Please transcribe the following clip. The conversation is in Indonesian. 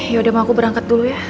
yaudah mau aku berangkat dulu ya